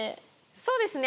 そうですね。